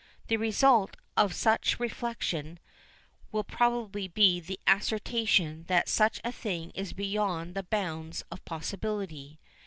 The result of such reflection will probably be the assertion that such a thing is beyond the bounds of possibility.